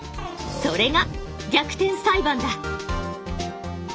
それが「逆転裁判」だ。